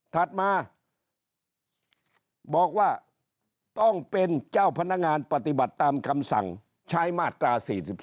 ถัดมาบอกว่าต้องเป็นเจ้าพนักงานปฏิบัติตามคำสั่งใช้มาตรา๔๔